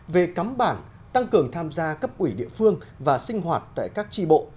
về cắm bản tăng cường tham gia cấp ủy địa phương và sinh hoạt tại các tri bộ